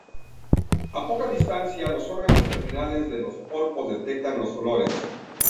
A poca distancia, los órganos terminales de los palpos detectan los olores.